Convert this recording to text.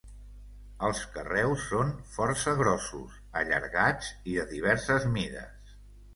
Els carreus són força grossos, allargats i de diverses mides.